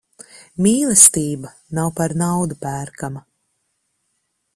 Mīlestība nav par naudu pērkama.